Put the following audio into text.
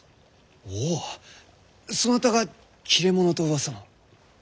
おおっそなたが切れ者とうわさの。